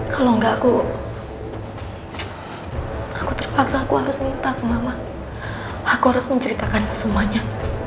kalau enggak aku aku terpaksa aku harus minta ke mamaku aku harus menceritakan semuanya